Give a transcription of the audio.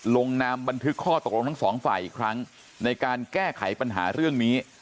ลงนามบันทึกข้อตกลงทั้งสองฝ่ายอีกครั้งในการแก้ไขปัญหาเรื่องนี้